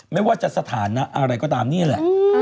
ไม่ว่าจะสถานะอะไรก็ตามนี่แหละ